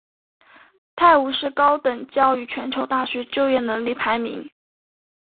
泰晤士高等教育全球大学就业能力排名。